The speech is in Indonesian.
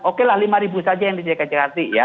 oke lah lima ribu saja yang di jakarta